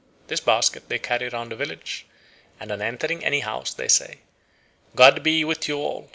This basket they carry round the village, and on entering any house they say: "God be with you all!